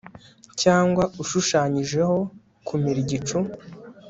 cyangwa ushushanyijeho kumira igicu